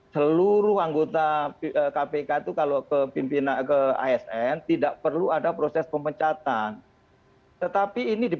seluruh anggota kpk itu kalau kebangsaan